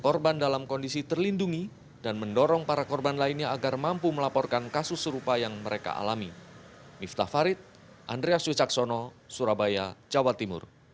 korban dalam kondisi terlindungi dan mendorong para korban lainnya agar mampu melaporkan kasus serupa yang mereka alami